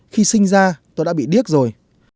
khi sinh ra tôi đã bị điếc rồi